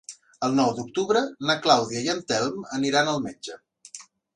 El nou d'octubre na Clàudia i en Telm aniran al metge.